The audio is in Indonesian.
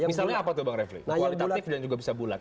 misalnya apa tuh bang refli kualitatif dan juga bisa bulat